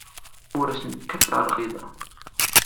Ur asen-kkateɣ lɣiḍa.